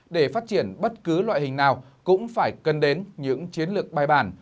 để phát triển bất cứ loại hình nào cũng phải cần đến những chiến lược bài bản